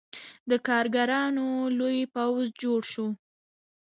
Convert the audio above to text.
د کارګرانو لوی پوځ جوړ شو.